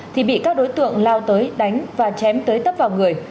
thì bị các đối tượng lao tới đánh và chém tới tấp vào người